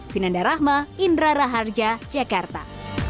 vinanda rahma indra raharja jakarta